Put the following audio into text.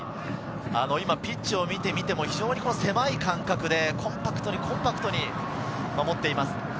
ピッチを見ても非常に狭い感覚でコンパクトにコンパクトに守っています。